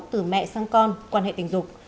từ mẹ sang con quan hệ tình dục